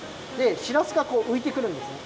しらすがこうういてくるんですね。